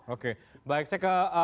oke baik saya ke